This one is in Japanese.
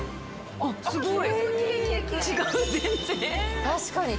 ああすごい。